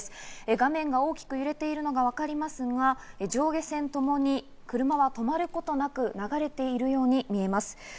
画面が大きく揺れているのが分かりますが、上下線ともに車は止まることなく流れているように見えます。